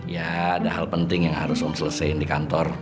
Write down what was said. ya ada hal penting yang harus selesaiin di kantor